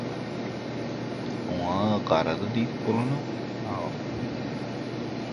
Oňa gara-da diýip bolanok, agam.